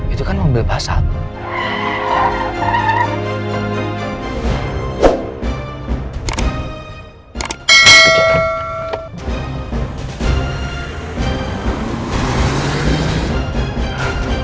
itu kan mobil basah